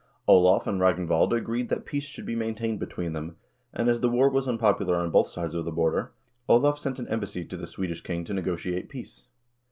Olav and Ragnvald agreed that peace should be maintained between them, and, as the war was unpopular on both sides of the border, Olav sent an embassy to the Swedish king to negotiate peace.